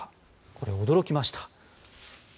これ、驚きました。